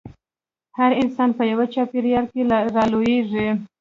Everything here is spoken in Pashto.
هر انسان په يوه چاپېريال کې رالويېږي.